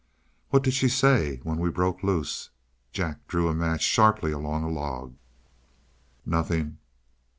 "What did she say when we broke loose?" Jack drew a match sharply along a log. "Nothing.